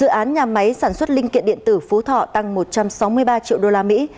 dự án nhà máy sản xuất linh kiện điện tử phú thọ tăng một trăm sáu mươi ba triệu đô la mỹ